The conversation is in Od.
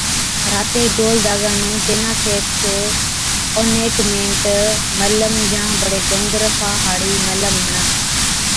راتي گول داگا نُون ٽِينافيڪس Tineafax Ointemet ملم يان بڙي گندرفا هاڙِي ملم هڻا۔